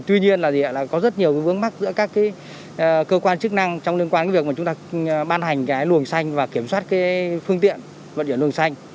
tuy nhiên là có rất nhiều vướng mắt giữa các cơ quan chức năng trong liên quan cái việc mà chúng ta ban hành cái luồng xanh và kiểm soát cái phương tiện vận chuyển luồng xanh